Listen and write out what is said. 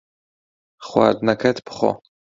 خواردنەکەت بخۆ.